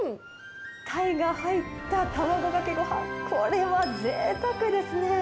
タイが入った卵かけごはん、これは贅沢ですね。